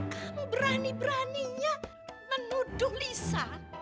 kamu berani beraninya menuduh lisa